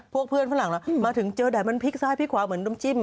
พวกเพื่อนฝรั่งเรามาถึงเจอแดดมันพลิกซ้ายพลิกขวาเหมือนน้ำจิ้ม